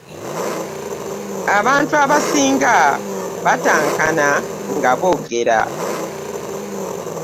abantu abasinga batankana nga boogera.